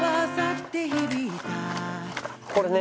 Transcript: これね